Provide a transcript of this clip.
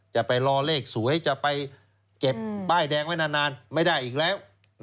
จะไปรอเลขสวยจะไปเก็บป้ายแดงไว้นานไม่ได้อีกแล้ว